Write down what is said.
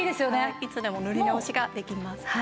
いつでも塗り直しができます。